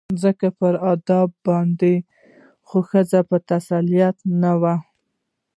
ځکه پر ادب باندې خو د ښځې تسلط نه و